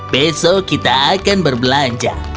besok kita akan berbelanja